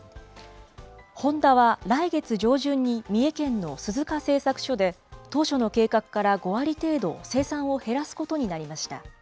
ホンダは来月上旬に三重県の鈴鹿製作所で、当初の計画から５割程度生産を減らすことになりました。